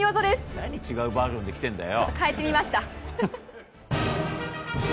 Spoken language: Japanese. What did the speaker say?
何違うバージョンで来てるんだよ。